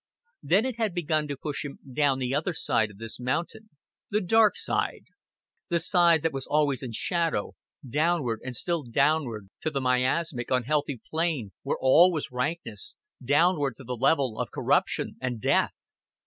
Then it had begun to push him down the other side of this mountain, the dark side, the side that was always in shadow, downward and still downward to the miasmic unhealthy plain where all was rankness, downward to the level of corruption and death.